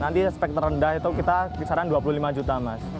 nanti spek terendah itu kita kisaran dua puluh lima juta mas